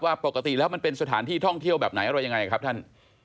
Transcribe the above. ปกติแล้วมันเป็นสถานที่ท่องเที่ยวแบบไหนอะไรยังไงครับท่าน